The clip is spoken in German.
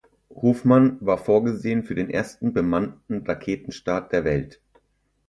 Hofmann war vorgesehen für den ersten bemannten Raketenstart der Welt.